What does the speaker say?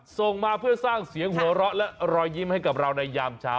ส่งมาเพื่อสร้างเสียงหัวเราะและรอยยิ้มให้กับเราในยามเช้า